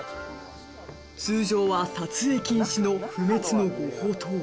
通常は撮影禁止の不滅のご法燈。